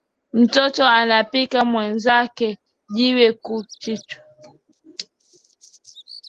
Mtoto anapika mwenzake jiwe ku kichwa